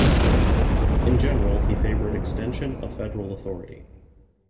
In general, he favored extension of federal authority.